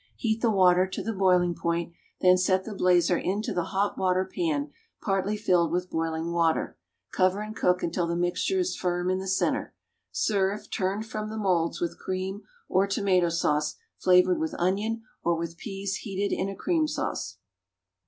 Heat the water to the boiling point, then set the blazer into the hot water pan partly filled with boiling water, cover and cook until the mixture is firm in the centre. Serve, turned from the moulds, with cream or tomato sauce, flavored with onion, or with peas heated in a cream sauce.